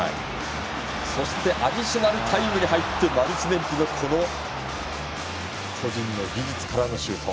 そしてアディショナルタイムに入ってマルチネッリの個人の技術からのシュート。